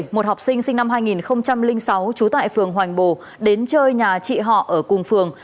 một học sinh sinh năm hai nghìn sáu trú tại phường hoành bồ đến chơi nhà chị họ ở cùng phường